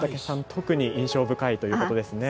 特に印象深いということですね。